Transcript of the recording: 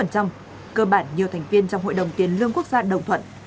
cơ bản nhiều thành viên trong hội đồng tiền lương quốc gia đồng thuận